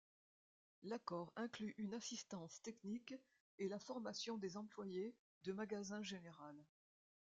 L'accord inclut une assistance technique et la formation des employés de Magasin général.